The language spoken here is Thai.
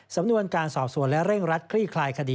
สำนวนการสอบสวนและเร่งรัดคลี่คลายคดี